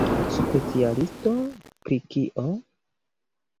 Specialisto pri kio?